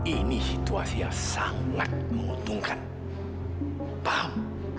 ini situasi yang sangat menguntungkan paham